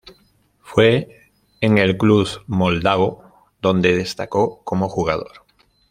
Fue en el club moldavo donde destacó como jugador.